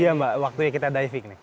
iya mbak waktunya kita diving nih